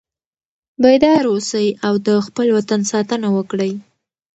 بیدار اوسئ او د خپل وطن ساتنه وکړئ.